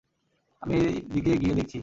আমি এই দিকে গিয়ে দেখছি।